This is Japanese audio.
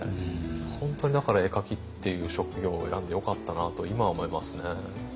本当にだから絵描きっていう職業を選んでよかったなと今は思いますね。